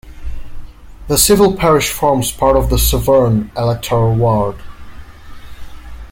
The civil parish forms part of 'Severn' electoral ward.